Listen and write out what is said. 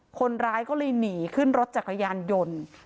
คนร้ายก็เลยหนีขึ้นรถจักรยานยนต์